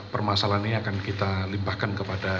permasalahan ini akan kita limpahkan kepada